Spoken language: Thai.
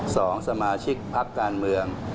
สองสมาชิกพักการเมือง